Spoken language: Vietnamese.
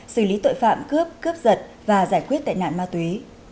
xử lý tội phạm cướp cướp giật và giải quyết tệ nạn ma túy